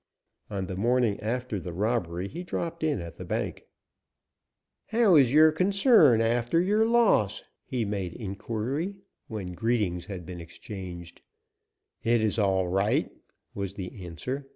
On the morning after the robbery he dropped in at the bank. "How is your concern after your loss?" he made inquiry, when greetings had been exchanged. "It is all right," was the answer.